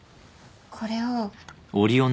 これを。